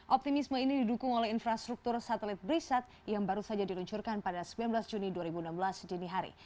optimisme ini didukung oleh infrastruktur satelit brisat yang baru saja diluncurkan pada sembilan belas juni dua ribu enam belas dini hari